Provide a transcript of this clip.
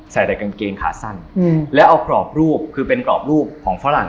ใส่แต่กางเกงขาสั้นแล้วเอากรอบรูปคือเป็นกรอบรูปของฝรั่ง